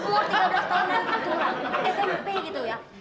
umur tiga belas tahun anak ketua smp gitu ya